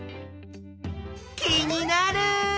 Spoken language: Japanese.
気になる！